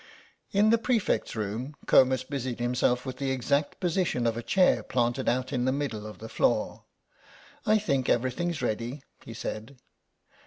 In the prefects' room, Comus busied himself with the exact position of a chair planted out in the middle of the floor. "I think everything's ready," he said.